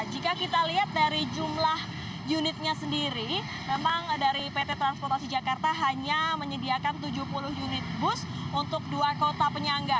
jika kita lihat dari jumlah unitnya sendiri memang dari pt transportasi jakarta hanya menyediakan tujuh puluh unit bus untuk dua kota penyangga